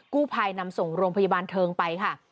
กู้ภัยนำส่งโรงพยาบาลเทิงไปค่ะ